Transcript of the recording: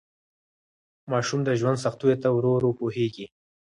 ماشوم د ژوند سختیو ته ورو ورو پوهیږي.